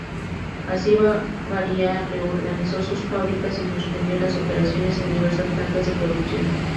Así Bavaria reorganizó sus fábricas y suspendió las operaciones en diversas plantas de producción.